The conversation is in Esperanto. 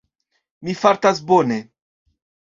Mi fartas bone